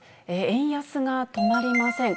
円安が止まりません。